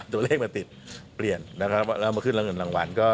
ตัวเลขมาติดเปลี่ยนแล้วมาขึ้นเงินรางวัล